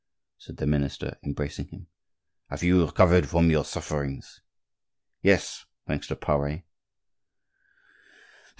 said the minister, embracing him; "have you recovered from your sufferings?" "Yes, thanks to Pare."